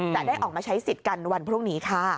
จะได้ออกมาใช้สิทธิ์กันวันพรุ่งนี้ค่ะ